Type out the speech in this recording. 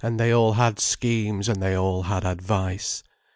And they all had schemes, and they all had advice.